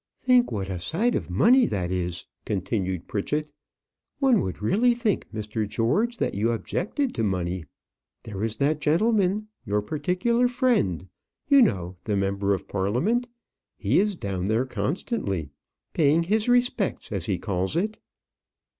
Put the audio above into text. "Think what a sight of money that is!" continued Pritchett. "One would really think, Mr. George, that you objected to money. There is that gentleman, your particular friend, you know, the member of Parliament. He is down there constantly, paying his respects, as he calls it."